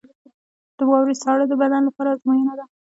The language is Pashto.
• د واورې ساړه د بدن لپاره ازموینه ده.